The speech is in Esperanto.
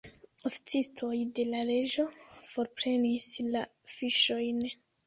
Oficistoj de la reĝo forprenis la fiŝojn.